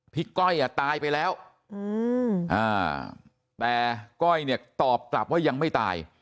ก้อยตายไปแล้วแต่ก้อยเนี่ยตอบกลับว่ายังไม่ตาย